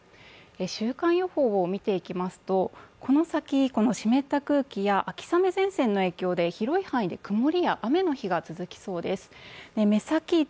週間予報を見ていきますと、この先湿った空気や秋雨前線の影響で、広い範囲で雨が続きそうです。